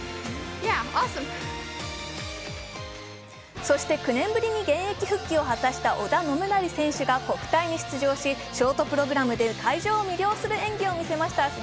そして９年ぶりに現役復帰を果たした織田信成選手が国体に出場し、ショートプログラムで会場を魅了する演技を見せました。